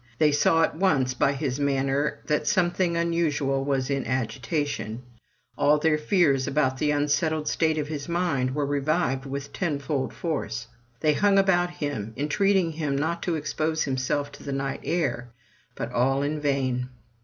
They saw at once by his manner that something unusual was in agitation; all their fears about the unsettled state of his mind were revived with ten fold force; they hung about him, entreating him not to expose himself to the night air, but all in vain.